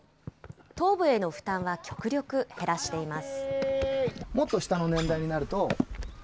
頭部への負担は極力減らしています。